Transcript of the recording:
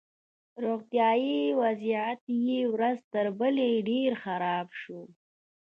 روغتیایي وضعیت یې ورځ تر بلې ډېر خراب شو